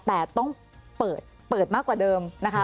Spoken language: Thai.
แต่ต้องเปิดมากกว่าเดิมนะคะ